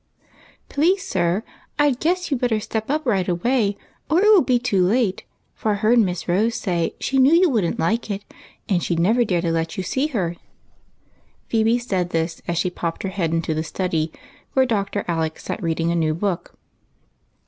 " T^TjEASE, sir, I guess you 'd better step up right L away, or it will be. too late, for I heard Miss Rose say she knew you would n't like it, and she 'd never dare to let you see her." Phebe said this as she popped her head into the study, where Dr. Alec sat reading a new book.